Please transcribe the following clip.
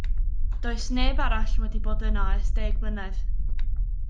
Does neb arall wedi bod yno ers deg mlynedd.